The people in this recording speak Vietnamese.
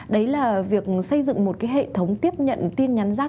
đấy là việc xây dựng một cái hệ thống tiếp nhận tin nhắn rác